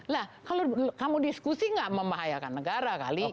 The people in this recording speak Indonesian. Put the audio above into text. lah kalau kamu diskusi gak membahayakan negara kali